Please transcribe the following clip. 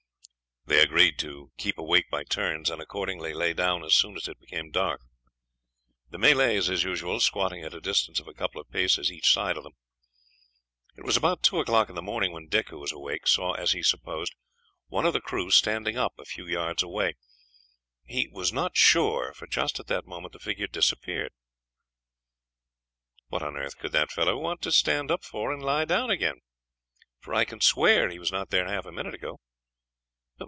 They agreed to keep awake by turns, and accordingly lay down as soon as it became dark, the Malays, as usual, squatting at a distance of a couple of paces each side of them. It was about two o'clock in the morning when Dick, who was awake, saw, as he supposed, one of the crew standing up a few yards away; he was not sure, for just at that moment the figure disappeared. "What on earth could that fellow want to stand up for and lie down again? for I can swear he was not there half a minute ago.